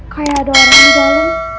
kayak ada orang di dalam